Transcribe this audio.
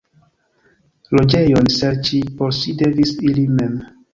Loĝejon serĉi por si devis ili mem.